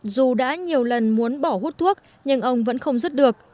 dù đã nhiều lần muốn bỏ hút thuốc nhưng ông vẫn không dứt được